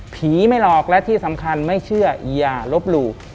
ไม่หลอกและที่สำคัญไม่เชื่ออย่าลบหลู่